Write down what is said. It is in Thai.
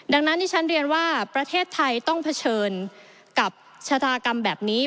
ดังนั้นที่ฉันเรียนว่าประเทศไทยต้องเผชิญกับชะตากรรมแบบนี้